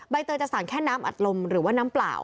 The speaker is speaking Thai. เตยจะสั่งแค่น้ำอัดลมหรือว่าน้ำเปล่า